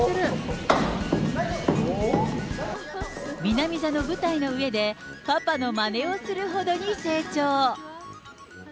南座の舞台の上で、パパのまねをするほどに成長。